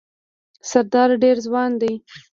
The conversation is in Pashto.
سردار ډېر ځوان دی.